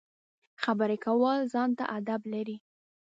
خبرې کول ځان ته اداب لري.